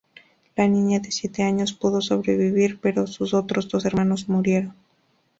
La niña de siete años pudo sobrevivir pero sus otros dos hermanos murieron.